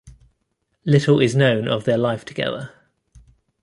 Little is known of their life together.